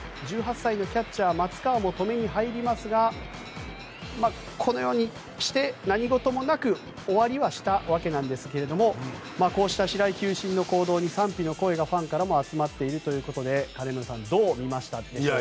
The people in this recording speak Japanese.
１８歳のキャッチャー松川も止めに入りますがこのようにして何事もなく終わりはしたんですがこうした白井球審の行動に賛否の声がファンからも集まっているということで金村さんどう見ましたでしょうか。